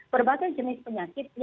berbagai jenis penyakit